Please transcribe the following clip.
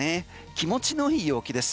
気持ちの良い陽気です。